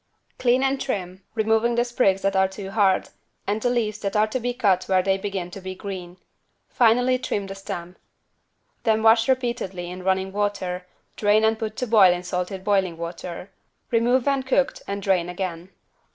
Clean and trim, removing the sprigs that are too hard, and the leaves, that are to be cut where they begin to be green. Finally trim the stem. Then wash repeatedly in running water, drain and put to boil in salted boiling water. Remove when cooked and drain again.